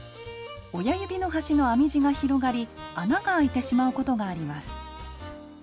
親指の端の編み地が広がり穴が開いてしまうことがあります。